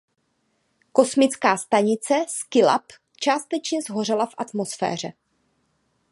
Kosmická stanice Skylab částečně shořela v atmosféře.